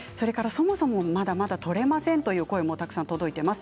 そもそもまだまだ取れませんという声もたくさん届いています。